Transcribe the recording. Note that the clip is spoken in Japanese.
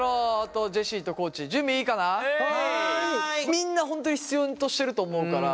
みんな本当に必要としてると思うから。